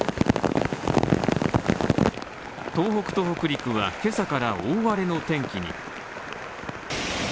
東北と北陸は今朝から大荒れの天気に。